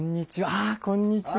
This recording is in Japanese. あこんにちは。